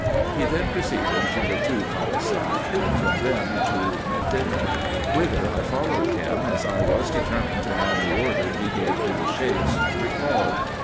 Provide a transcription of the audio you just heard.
He then proceeded to the two colossi, and from them to Medinet, whither I followed him, as I was determined to have the order he gave to the Sheiks recalled.